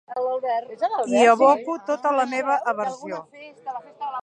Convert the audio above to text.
Hi aboco tota la meva aversió.